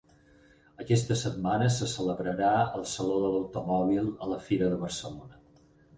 Aquesta setmana se celebrarà el Saló de l'automòbil a la Fira de Barcelona